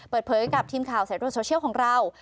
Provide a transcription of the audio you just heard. เปิดเผยกับทีมข่าวสายตรวจโซเชียลของเรา